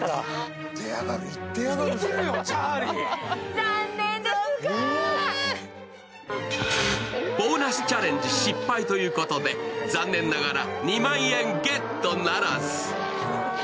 残念ですがボーナスチャレンジ失敗ということで残念ながら２万円ゲットならず。